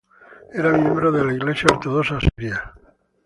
Era miembro de la iglesia ortodoxa siria.